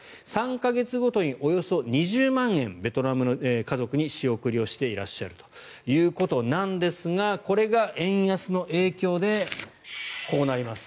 ３か月ごとにおよそ２０万円をベトナムの家族に仕送りしていらっしゃるということですがこれが円安の影響でこうなります。